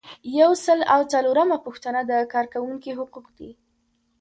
یو سل او څلورمه پوښتنه د کارکوونکي حقوق دي.